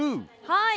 はい。